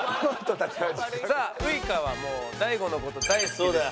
さあウイカはもう大悟の事大好きですから。